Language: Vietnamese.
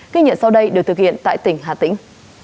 ghi nhận sau đây được thực hiện tại tỉnh hà tĩnh